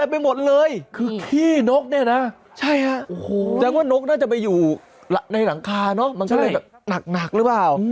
แสดงว่านกน่าจะมีอยู่ในหลังคาเนอะมันก็เลยหนักหรือบ้าว